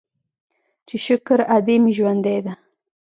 چې شکر ادې مې ژوندۍ ده.